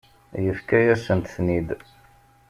Yefka-yasent-ten-id.